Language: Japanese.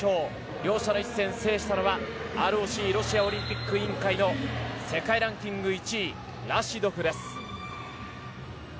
両者の一戦を制したのはＲＯＣ・ロシアオリンピック委員会の世界ランキング１位ラシドフです。